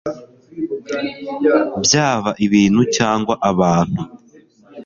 byaba ibintu cyangw abantu